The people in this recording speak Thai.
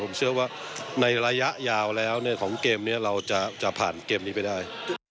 ผมเชื่อว่าในระยะยาวแล้วของเกมนี้เราจะผ่านเกมนี้ไปได้